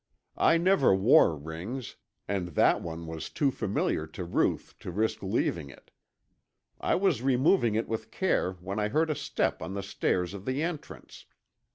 I never wore rings, and that one was too familiar to Ruth to risk leaving it. I was removing it with care when I heard a step on the stairs of the entrance.